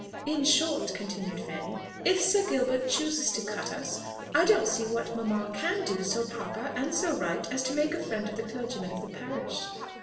"In short," continued Fanny, "if Sir Gilbert chooses to cut us, I don't see what mamma can do so proper and so right as to make a friend of the clergyman of the parish."